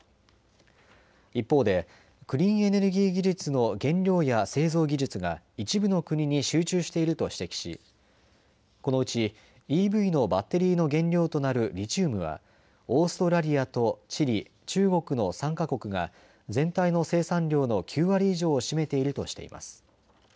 一方でクリーンエネルギー技術の原料や製造技術が一部の国に集中していると指摘しこのうちＥＶのバッテリーの原料となるリチウムはオーストラリアとチリ、中国の３か国が全体の生産量の９割以上を占めているとしています。